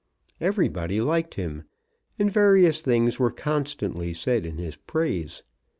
Everybody liked him, and various things were constantly said in his praise.